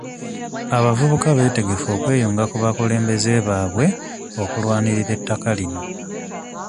Abavubuka beetegefu okweyunga ku bakulembeze baabwe okulwanirira ettaka lino.